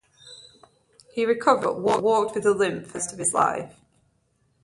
He recovered, but walked with a limp for the rest of his life.